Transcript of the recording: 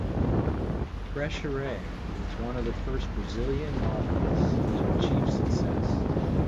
Brecheret was one of the first Brazilian modernists to achieve success.